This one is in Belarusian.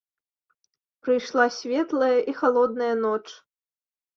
Прыйшла светлая і халодная ноч.